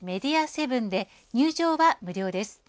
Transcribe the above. セブンで入場は無料です。